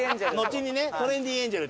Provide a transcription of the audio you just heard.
のちにねトレンディエンジェル。